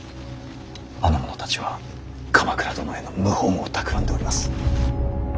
あの者たちは鎌倉殿への謀反をたくらんでおります。